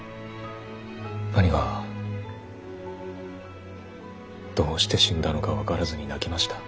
兄がどうして死んだのか分からずに泣きました。